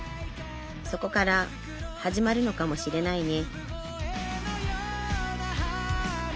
そこから始まるのかもしれないね